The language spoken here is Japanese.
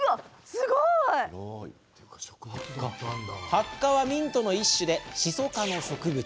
ハッカはミントの一種でシソ科の植物。